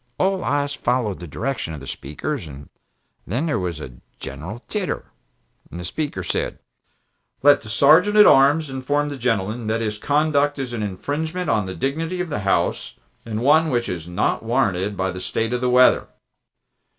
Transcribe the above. All eyes followed the direction of the Speaker's, and then there was a general titter. The Speaker said: "Let the Sergeant at Arms inform the gentleman that his conduct is an infringement of the dignity of the House and one which is not warranted by the state of the weather."